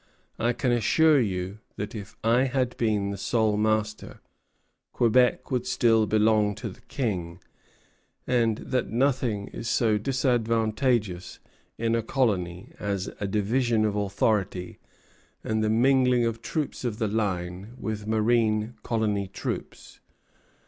I can assure you that if I had been the sole master, Quebec would still belong to the King, and that nothing is so disadvantageous in a colony as a division of authority and the mingling of troops of the line with marine [colony] troops.